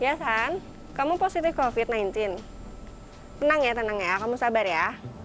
ya kan kamu positif covid sembilan belas tenang ya tenang ya kamu sabar ya